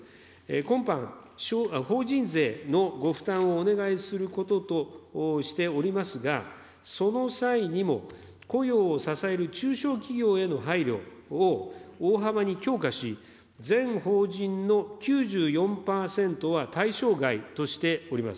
今般、法人税のご負担をお願いすることとしておりますが、その際にも、雇用を支える中小企業への配慮を大幅に強化し、全法人の９４％は対象外としております。